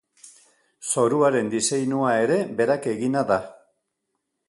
Zoruaren diseinua ere berak egina da.